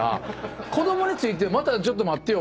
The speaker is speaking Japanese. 子供についてはちょっと待ってよ。